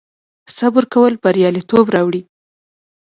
صبر کول بریالیتوب راوړي